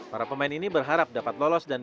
para pemain ini berharap dapat lolos dan